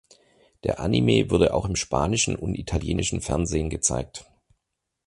Der Anime wurde auch im spanischen und italienischen Fernsehen gezeigt.